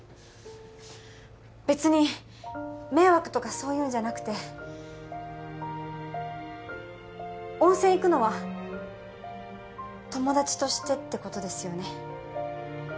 別に迷惑とかそういうんじゃなくて温泉行くのは友達としてってことですよね？